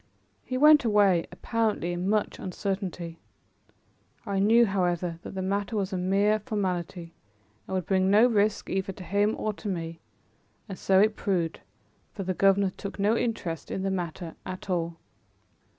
He went away, apparently in much uncertainty. I knew, however, that the matter was a mere formality and would bring no risk either to him or to me; and so it proved, for the governor took no interest in the matter at all.